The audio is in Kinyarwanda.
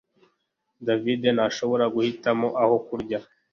David ntashobora guhitamo aho kurya